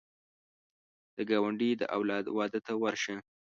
د ګاونډي د اولاد واده ته ورشه